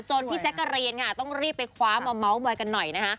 พี่แจ๊กกะรีนค่ะต้องรีบไปคว้ามาเมาส์มอยกันหน่อยนะคะ